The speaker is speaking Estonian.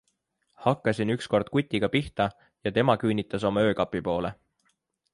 Hakkasin ükskord kutiga pihta ja tema küünitas oma öökapi poole.